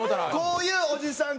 こういうおじさん